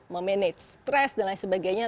memanage stress dan lain sebagainya